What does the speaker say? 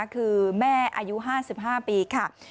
คือแม่อายุ๕๕ปีค่ะ